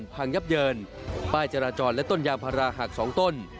พังยับเยินป้ายจราจรและต้นยางพาราหัก๒ต้น